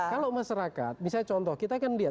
kalau masyarakat misalnya contoh kita kan lihat